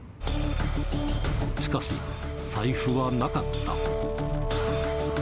しかし、財布はなかった。